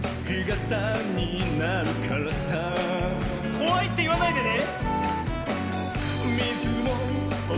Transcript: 「こわい」っていわないでね。